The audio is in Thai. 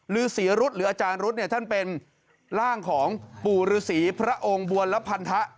ฤษีรุษหรืออาจารย์รุษเนี่ยท่านเป็นร่างของปู่ฤษีพระองค์บวรพันธะ